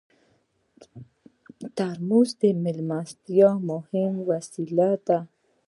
ترموز د میلمستیا مهم وسیله ده.